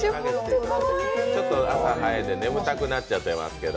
ちょっと朝早いので、眠たくなっちゃってますけど。